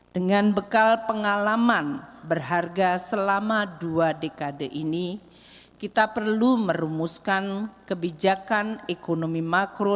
dengan bekal pengalaman berharga selama dua dekade ini kita perlu merumuskan kebijakan ekonomi makro